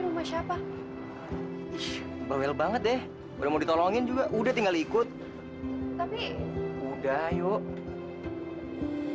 rumah siapa ish bawel banget deh udah mau ditolongin juga udah tinggal ikut tapi udah yuk